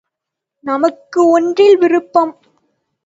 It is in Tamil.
நமக்கு ஒன்றில் விருப்பம்.